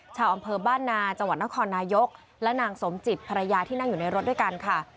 ชาวอำเภอบ้านนาจังหวัดนครนายกและนางสมจิตภรรยาที่นั่งอยู่ในรถด้วยกันค่ะ